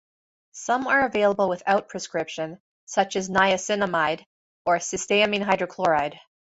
Some are available without prescription, such as niacinamide, or cysteamine hydrochloride.